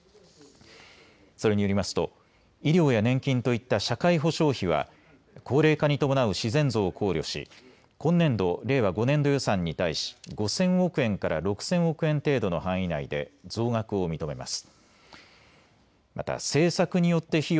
それによりますと医療や年金といった社会保障費は高齢化に伴う自然増を考慮し今年度令和５年度予算に対し５０００億円から６０００億円程度の範囲内で増額を認めます。